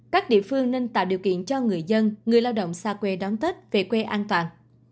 các địa phương nên tạo điều kiện cho người dân người lao động xa quê đón tết về quê an toàn